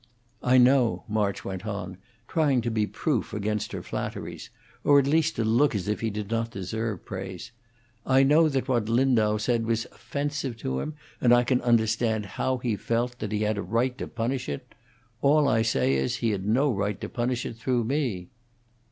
"I know," March went on, trying to be proof against her flatteries, or at least to look as if he did not deserve praise; "I know that what Lindau said was offensive to him, and I can understand how he felt that he had a right to punish it. All I say is that he had no right to punish it through me."